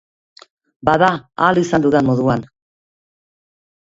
Bada, ahal izan dudan moduan.